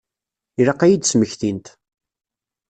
Ilaq ad iyi-d-smektint.